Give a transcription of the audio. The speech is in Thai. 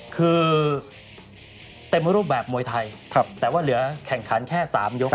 คือเต็มรูปแบบมวยไทยแต่ว่าเหลือแข่งขันแค่๓ยก